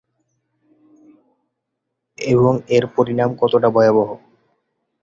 এবং এর পরিণাম কতটা ভয়াবহ।